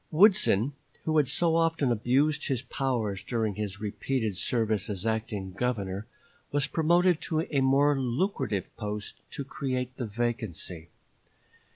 Woodson, who had so often abused his powers during his repeated service as acting Governor, was promoted to a more lucrative post to create the vacancy.